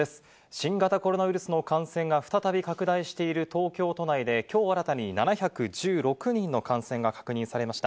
新型コロナウイルスの感染が再び拡大している東京都内で、きょう新たに７１６人の感染が確認されました。